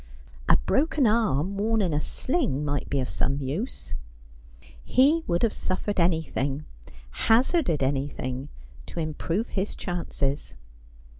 A broken arm, worn in a sling, might be of some use.' He would have suffered anything, hazarded anything, to im prove his chances.